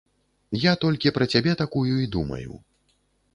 Я толькі пра цябе такую і думаю.